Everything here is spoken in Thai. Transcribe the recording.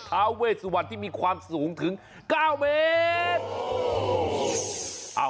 ท้าเวสวันที่มีความสูงถึง๙เมตร